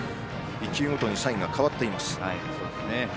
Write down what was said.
１球ごとにサインが変わっています。